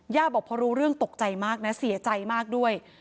บอกพอรู้เรื่องตกใจมากนะเสียใจมากด้วย